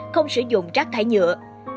không sử dụng rác thải nhựa